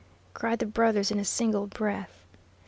cried the brothers, in a single breath.